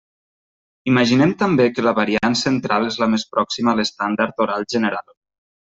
Imaginem també que la variant central és la més pròxima a l'estàndard oral general.